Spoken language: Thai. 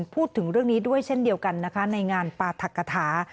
พูดถึงเรื่องนี้ด้วยเช่นเดียวกันนะคะในงานปราธกฐา